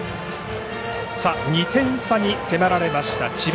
２点差に迫られました智弁